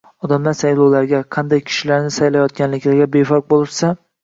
Odamlar saylovlarga, qanday kishilarni saylayotganliklariga befarq bo‘lishsa